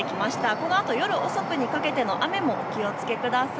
このあと夜遅くにかけての雨もお気をつけください。